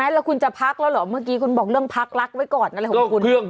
แล้วคุณจะพักแล้วเหรอเมื่อกี้คุณบอกเรื่องพักรักไว้ก่อนอะไรของคุณ